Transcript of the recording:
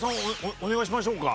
お願いしましょうか。